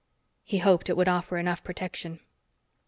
He hoped it would offer enough protection.